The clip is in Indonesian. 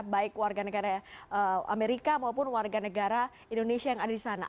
baik warga negara amerika maupun warga negara indonesia yang ada di sana